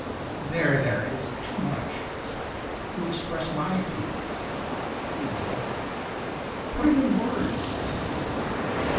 "There, there! It is too much," said I. " You express my feelings." He looked doubtful. "Put it in words," said he.